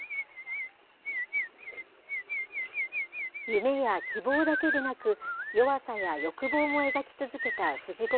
夢や希望だけでなく、弱さや欲望も描き続けた藤子